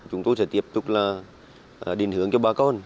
chúng tôi sẽ tiếp tục là điền hướng cho bà con